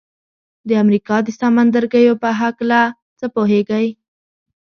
د امریکا د سمندرګیو په هکله څه پوهیږئ؟